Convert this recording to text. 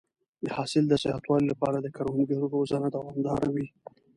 د حاصل د زیاتوالي لپاره د کروندګرو روزنه دوامداره وي.